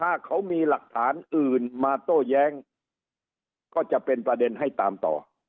ถ้าเขามีหลักฐานอื่นมาโต้แย้งก็จะเป็นประเด็นให้ตามต่อ